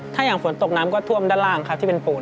ถ้าอย่างฝนตกน้ำก็ท่วมด้านล่างครับที่เป็นปูน